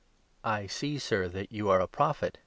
I see, Sir, that you are a Prophet